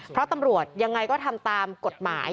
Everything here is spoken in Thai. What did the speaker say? เพราะตำรวจยังไงก็ทำตามกฎหมาย